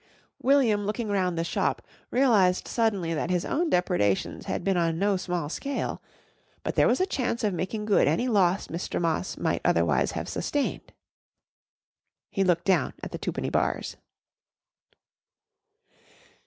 William looking round the shop, realised suddenly that his own depredations had been on no small scale. But there was a chance of making good any loss that Mr. Moss might otherwise have sustained. He looked down at the twopenny bars.